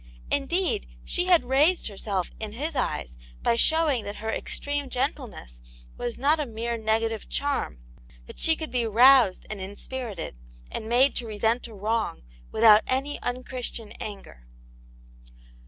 Indeed, she had raised herself in his eyes by showing that her extreme gentleness was not a mere negative charm ; that she could be roused and inspirited, and made to resent a wrong without any unchristian anger.